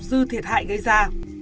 dư thiệt hại gây ra